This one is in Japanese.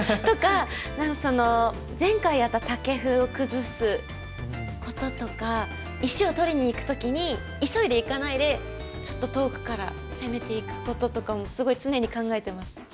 とか何かその前回やったタケフを崩すこととか石を取りにいく時に急いでいかないでちょっと遠くから攻めていくこととかもすごい常に考えてます。